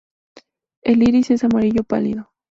El iris es amarillo pálido.